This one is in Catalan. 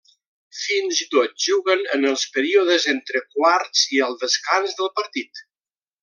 Fins i tot juguen en els períodes entre quarts i al descans del partit.